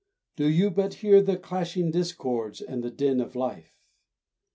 Do you but hear the clashing discords and the din of life?